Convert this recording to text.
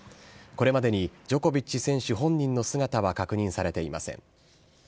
これまでにジョコビッチ選手本人の姿は確認されていません。